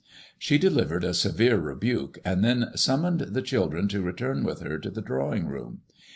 She de livered a severe rebuke, and then summoned the children to return with her to the drawing room.